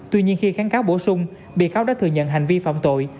tuy nhiên khi kháng cáo bổ sung bị cáo đã thừa nhận hành vi phạm tội